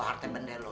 harta benda lo